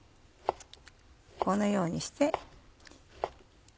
このようにして。